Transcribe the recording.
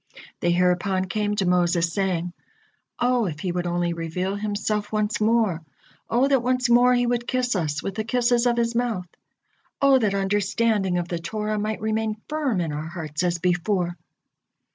They hereupon came to Moses, saying: "O, if He would only reveal Himself once more! O that once more He would kiss us with the kisses of His mouth! O that understanding of the Torah might remain firm in our hearts as before!"